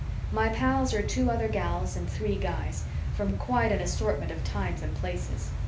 My pals are two other gals and three guys from quite an assortment of times and places.